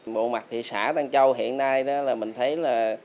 bộ mặt thị xã tân châu hiện nay mình thấy là